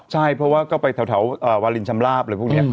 ใช่เพราะว่าก็ไปแถววาลินชำลาบอะไรพวกนี้